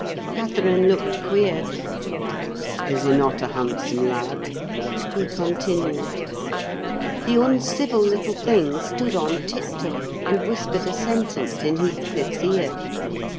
Catherine looked queer. "Is he not a handsome lad?" he continued. The uncivil little thing stood on tiptoe, and whispered a sentence in Heathcliff's ear.